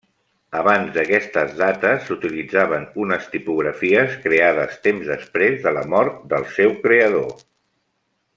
Abans d'aquestes dates s'utilitzaven unes tipografies creades temps després de la mort del seu creador.